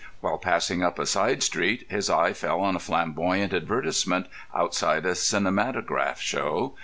While passing up a side street his eye fell on a flamboyant advertisement outside a cinematograph show.